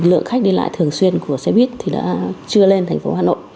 lượng khách đi lại thường xuyên của xe buýt thì đã chưa lên thành phố hà nội